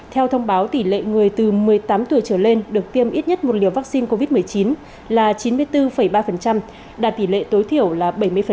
theo thông báo tỷ lệ người từ một mươi tám tuổi trở lên được tiêm ít nhất một liều vaccine covid một mươi chín là chín mươi bốn ba đạt tỷ lệ tối thiểu là bảy mươi